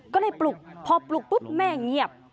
ก็เลยปลุกพอปลุกปุ๊บแม่เงียบ